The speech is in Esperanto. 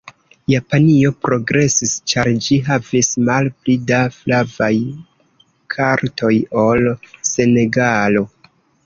Japanio progresis ĉar ĝi havis malpli da flavaj kartoj ol Senegalo.